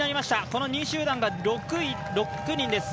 この２位集団が６人です。